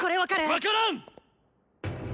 分からん！